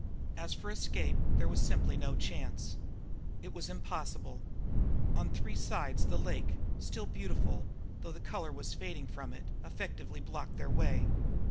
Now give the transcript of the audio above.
As for escape, there was simply no chance it was impossible. On three sides the lake, still beautiful, though the colour was fading from it, effectively blocked their way.